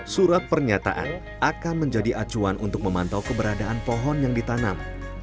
surat pernyataan akan menjadi acuan untuk memantau keberadaan pohon yang ditanam